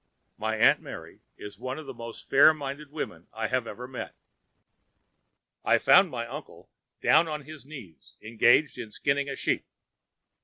"My Aunt Mary was one of the most fair minded women that I have ever met. "I found my uncle down on his knees engaged in skinning a sheep.